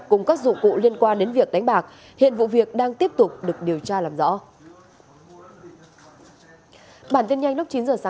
cùng các dụng cụ liên quan đến việc đánh bạc hiện vụ việc đang tiếp tục được điều tra làm rõ